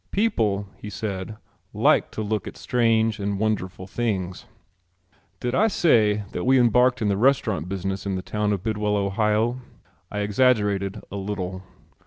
People, he said, liked to look at strange and wonderful things. Did I say that we embarked in the restaurant business in the town of Bidwell, Ohio? I exaggerated a little.